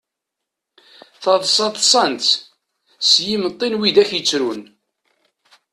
Taḍsa ḍsan-tt, s yimeṭṭi n widak yettrun.